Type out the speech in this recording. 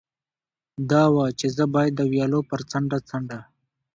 دا وه، چې زه باید د ویالو پر څنډه څنډه.